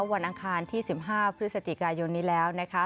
อังคารที่๑๕พฤศจิกายนนี้แล้วนะคะ